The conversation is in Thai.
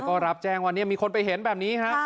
ก็รับแจ้งวันนี้มีคนไปเห็นแบบนี้ฮะ